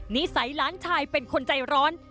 นิสัยหลานชายเป็นคนใจร้อน